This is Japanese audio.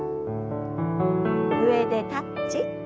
上でタッチ。